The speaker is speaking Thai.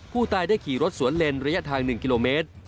ผู้ตายได้ขี่รถสวนเลนระยะทาง๑กิโลเมตร